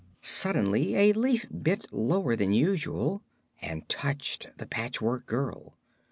Suddenly a leaf bent lower than usual and touched the Patchwork Girl.